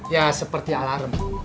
ya seperti alarm